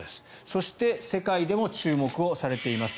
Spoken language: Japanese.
そして、世界でも注目をされています。